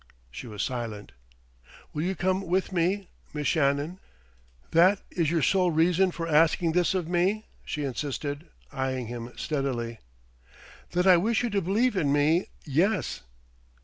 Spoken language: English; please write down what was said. She was silent. "Will you come with me, Miss Shannon?" "That is your sole reason for asking this of me?" she insisted, eyeing him steadily. "That I wish you to believe in me yes."